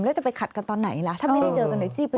แล้วจะไปขัดกันตอนไหนล่ะถ้าไม่ได้เจอกันในชีพเลย